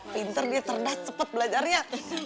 pinter dia cerdas cepat belajarnya